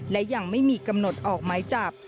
และยังไม่มีกำหนดออกไม้จับ